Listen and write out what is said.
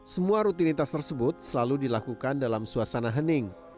semua rutinitas tersebut selalu dilakukan dalam suasana hening